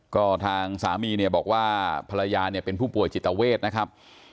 ก็ทางสามีบอกว่าภรรยาเป็นผู้ป่วยจิตเวชนะครับ